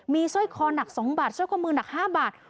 มีสร้อยคอหนัก๒บาทสร้อยข้อมือหนัก๕บาท